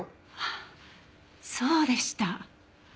あっそうでした。